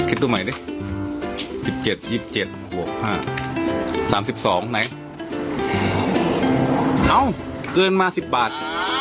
เอ๊าเกินมา๑๐บาท